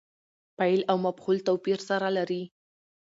فاعل او مفعول توپیر سره لري.